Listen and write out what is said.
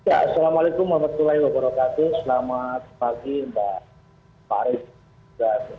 assalamualaikum warahmatullahi wabarakatuh selamat pagi mbak farid